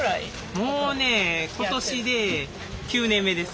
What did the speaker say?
もうね今年で９年目です。